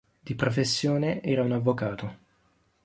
Di professione era un avvocato.